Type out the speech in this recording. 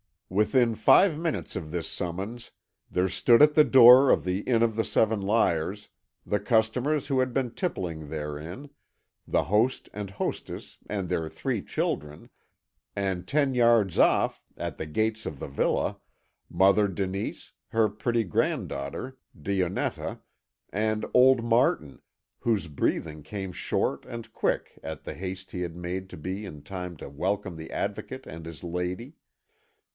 Within five minutes of this summons, there stood at the door of the inn of The Seven Liars, the customers who had been tippling therein, the host and hostess and their three children; and ten yards off, at the gates of the villa. Mother Denise, her pretty granddaughter, Dionetta, and old Martin, whose breathing came short and quick at the haste he had made to be in time to welcome the Advocate and his lady.